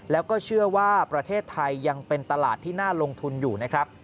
แล้วก็เชื่อว่าประเทศไทยยังเป็นตลาดที่น่าลงทุนอยู่นะครับ